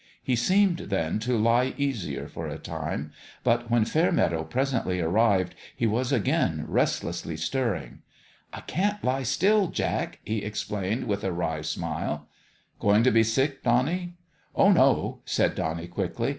He seemed, then, to lie easier, for a time; but when Fair meadow presently arrived he was again restlessly stirring. " I can't lie still, Jack," he explained, with a wry smile. " Going to be sick, Bonnie ?"" Oh, no I " said Bonnie, quickly.